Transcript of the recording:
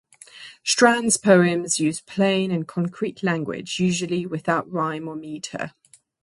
Strand's poems use plain and concrete language, usually without rhyme or meter.